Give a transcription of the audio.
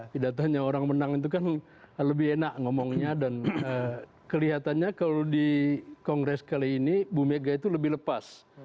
pidatonya orang menang itu kan lebih enak ngomongnya dan kelihatannya kalau di kongres kali ini bu mega itu lebih lepas